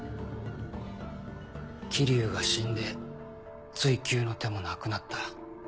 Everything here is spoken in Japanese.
桐生が死んで追及の手もなくなった。